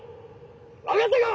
分かったか！」。